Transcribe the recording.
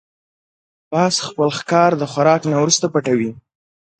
باز خپل ښکار د خوراک نه وروسته پټوي